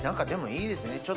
でもいいですね